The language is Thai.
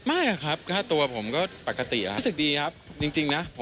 ไม่ครับค่าตัวผมก็ปกติแล้วรู้สึกดีครับจริงนะ